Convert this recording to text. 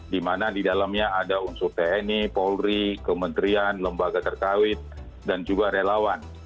dimana di dalamnya ada unsur tni polri kementerian lembaga terkawit dan juga relawan